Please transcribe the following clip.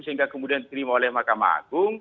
sehingga kemudian diterima oleh mahkamah agung